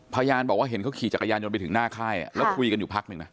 พยานบอกว่าเห็นเขาขี่จักรยานยนต์ไปถึงหน้าค่ายแล้วคุยกันอยู่พักหนึ่งนะ